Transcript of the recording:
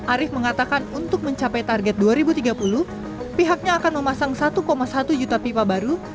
arief mengatakan untuk mencapai target dua ribu tiga puluh pihaknya akan memasang satu satu juta pipa baru